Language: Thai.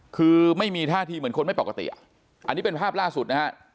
คือไม่มีท่าทีเหมือนคนไม่ปกติอ่ะอันนี้เป็นภาพล่าสุดนะฮะ